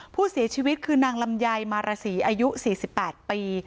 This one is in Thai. ผู้เสียชีวิตคือนางลำไยมารสีอายุ๔๘ปี